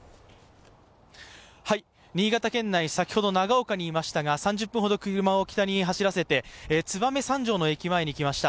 新潟県内、先ほど長岡にいましたが、３０分ほど車を北に走らせて燕三条の駅に来ました。